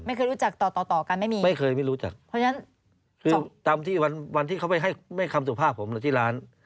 ไม่เคยรู้จักต่อต่อต่อกันไม่มีไม่เคยไม่รู้จักเพราะฉะนั้นคือตามที่วันที่เขาไปให้คำสุภาพผมเลยที่ร้าน